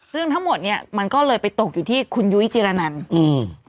เรื่องทั้งหมดเนี้ยมันก็เลยไปตกอยู่ที่คุณยุ้ยจิรนันอืม